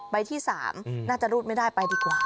ที่๓น่าจะรูดไม่ได้ไปดีกว่า